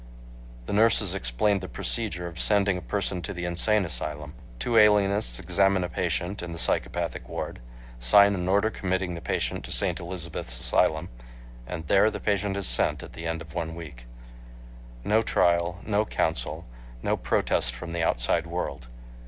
The nurses explained the procedure of sending a person to the insane asylum. Two alienists examine a patient in the psychopathic ward, sign an order committing the patient to St. Elizabeth's Asylum, and there. the patient is sent at the end of one week. No trial, no counsel, no protest from the outside world!